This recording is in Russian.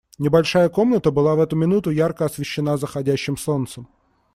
Небольшая комната была в эту минуту ярко освещена заходящим солнцем.